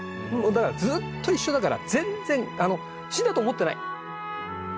だからずっと一緒だから全然死んだと思ってない。